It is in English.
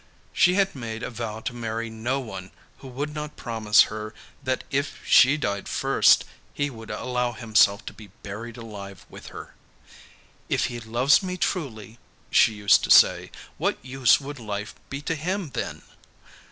She had made a vow to marry no one who would not promise her that if she died first, he would allow himself to be buried alive with her. 'If he loves me truly,' she used to say, 'what use would life be to him then?